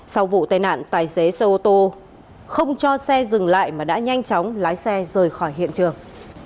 sau vụ tai nạn tài xế xe ô tô không cho xe dừng lại mà đã nhanh chóng lái xe rời khỏi hiện trường